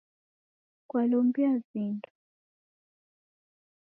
Kwalombia vindo?